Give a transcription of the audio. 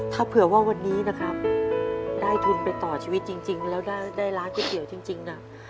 ถ้าเผื่อว่าวันนี้นะครับได้ทุนไปต่อชีวิตจริงแล้วได้ร้านก๋วยเตี๋ยวจริงนะ